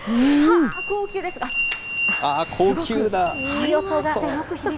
高級です。